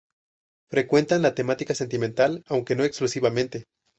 Frecuentan la temática sentimental, aunque no exclusivamente.